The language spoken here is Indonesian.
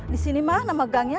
disini mah nama gangnya